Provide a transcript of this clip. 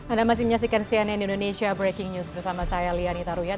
anda masih menyaksikan cnn indonesia breaking news bersama saya lianita ruyat